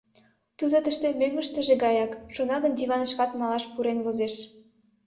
Тудо тыште мӧҥгыштыжӧ гаяк, шона гын диванышкак малаш пурен возеш.